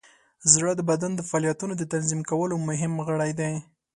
زړه د بدن د فعالیتونو د تنظیم کولو مهم غړی دی.